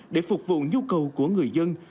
để phục vụ nhu cầu của người dân